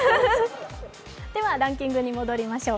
では、ランキングに戻りましょう。